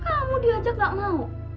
kamu diajak nggak mau